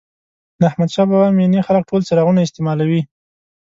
د احمدشاه بابا مېنې خلک ټول څراغونه استعمالوي.